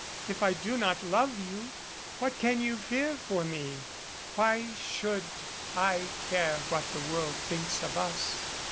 If I do not love you, what can you fear for me? Why should I care what the world thinks of us?